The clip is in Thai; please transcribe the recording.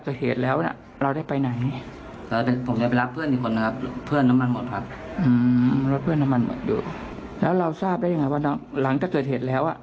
อืมเล่าเป็นน้ำบังอยู่แล้วเราทราบได้ยังไงว่าน้องหลังเจอเทศแล้วอ่ะ